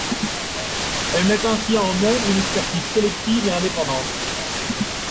Elle met ainsi en œuvre une expertise collective et indépendante.